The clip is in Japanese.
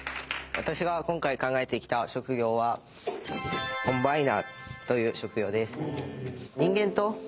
私が今回考えて来た職業はコンバイナーという職業です。